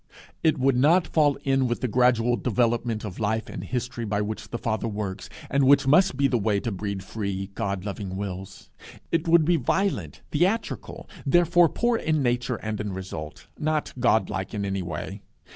It would not fall in with that gradual development of life and history by which the Father works, and which must be the way to breed free, God loving wills. It would be violent, theatrical, therefore poor in nature and in result, not God like in any way.